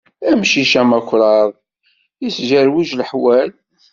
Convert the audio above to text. Amcic amakṛaḍ, isgerwij leḥwal.